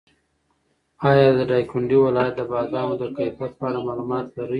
ایا د دایکنډي ولایت د بادامو د کیفیت په اړه معلومات لرې؟